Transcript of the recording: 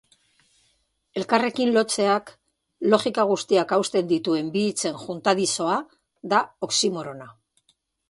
Elkarrekin lotzeak lojika guztiak hausten dituen bi hitzen juntadizoa da oxymorona.